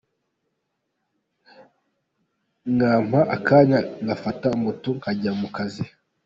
Mwampa akanya ngafata moto nkajya mu kazi.